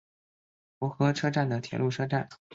浦和车站的铁路车站。